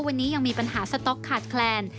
วันนี้ยังมีปัญหาสต๊อกขาดแคลน